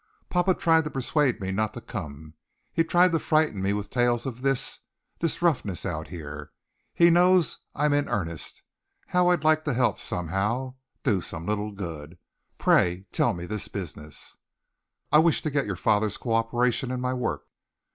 "Papa tried to persuade me not to come. He tried to frighten me with tales of this this roughness out here. He knows I'm in earnest, how I'd like to help somehow, do some little good. Pray tell me this business." "I wished to get your father's cooperation in my work."